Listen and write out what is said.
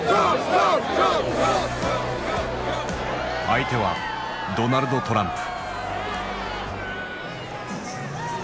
相手はドナルド・トランプ。